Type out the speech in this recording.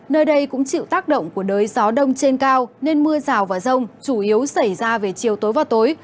nơi đây cũng chịu tác động của đới gió đông trên cao nên mưa rào và rông chủ yếu xảy ra về chiều tối và tối